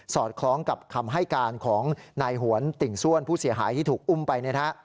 อดคล้องกับคำให้การของนายหวนติ่งซ่วนผู้เสียหายที่ถูกอุ้มไป